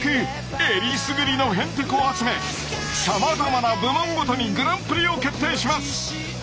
選りすぐりのへんてこを集めさまざまな部門ごとにグランプリを決定します。